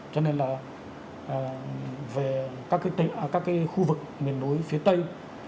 cho nên là về các khu vực miền núi phía tây